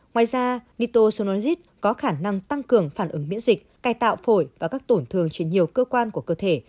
ngoài ra nitocyanid có khả năng tăng cường phản ứng miễn dịch cài tạo phổi và các tổn thường trên nhiều cơ quan của cơ thể